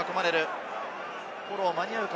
フォローは間に合うか？